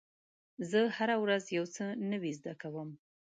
زه هره ورځ یو څه نوی زده کوم.